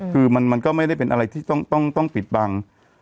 คือมันก็ไม่ได้เป็นอะไรที่ต้องปิดบัง